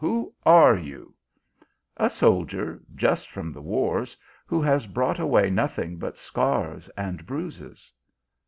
who are you ?"" A soldier, just from the wars, who has brought away nothing but scars and bruises."